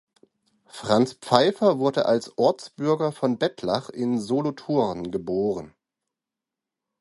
Franz Pfeiffer wurde als Ortsbürger von Bettlach in Solothurn geboren.